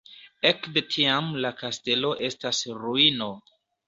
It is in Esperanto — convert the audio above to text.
Ekde tiam la kastelo estas ruino.